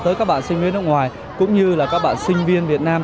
tới các bạn sinh viên nước ngoài cũng như là các bạn sinh viên việt nam